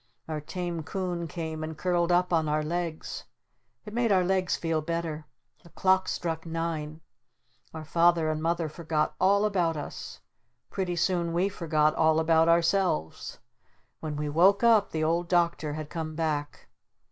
Our Tame Coon came and curled up on our legs. It made our legs feel better. The clock struck nine. Our Father and Mother forgot all about us. Pretty soon we forgot all about ourselves. When we woke up the Old Doctor had come back.